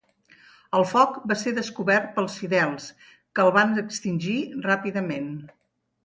El foc va ser descobert pels fidels que el van extingir ràpidament.